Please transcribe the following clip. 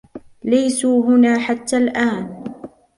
ليسوا هنا حتى الآن.